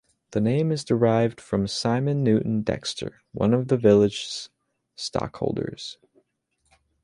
The name is derived from Simon Newton Dexter, one of the village's stockholders.